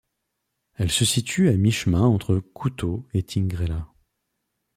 Elle se situe à mi-chemin entre Kouto et Tingréla.